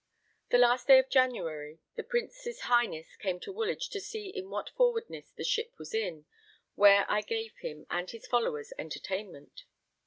The last day of January, the Prince's Highness came to Woolwich, to see in what forwardness the ship was in, where I gave him and his followers entertainment.